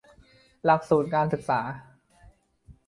หลักสูตรการศึกษา